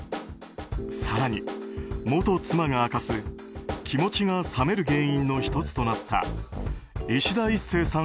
更に、元妻が明かす気持ちが冷める原因の１つとなった、いしだ壱成さん